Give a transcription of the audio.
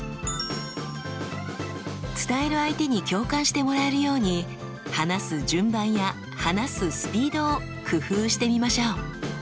伝える相手に共感してもらえるように話す順番や話すスピードを工夫してみましょう。